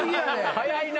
早いな。